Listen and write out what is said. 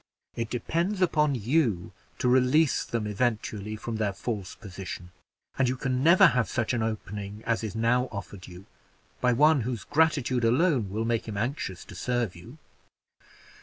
It depends upon you to release them eventually from their false position; and you can never have such an opening as is now offered you, by one whose gratitude alone will make him anxious to serve you."